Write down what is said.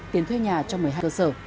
tiền thuê nhà cho một mươi hai cơ sở